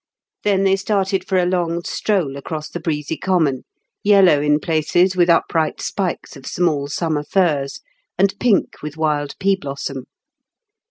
Then they started for a long stroll across the breezy common, yellow in places with upright spikes of small summer furze, and pink with wild pea blossom.